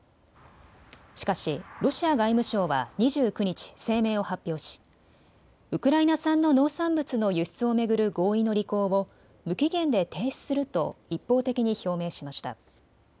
しかしロシア外務省は２９日、声明を発表しウクライナ産の農産物の輸出を巡る合意の履行を無期限で停止すると一方的に表明しました。